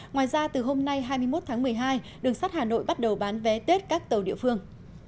ngoài ra từ hôm nay hai mươi một tháng một mươi hai đường sắt hà nội bắt đầu bán vé tết các tàu địa phương